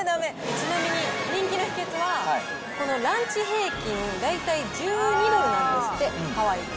ちなみに、人気の秘けつは、このランチ平均、大体１２ドルなんですって、ハワイって。